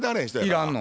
いらんの？